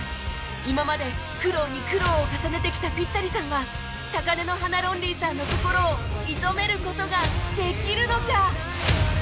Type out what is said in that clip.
今まで苦労に苦労を重ねてきたピッタリさんは高嶺の花ロンリーさんの心を射止める事ができるのか？